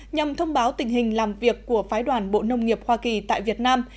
nhằm thông báo tình hình làm việc của phái đoàn bộ nông nghiệp hoa kỳ tại việt nam